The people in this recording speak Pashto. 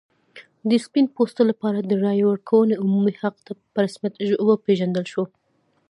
د سپین پوستو لپاره د رایې ورکونې عمومي حق په رسمیت وپېژندل شو.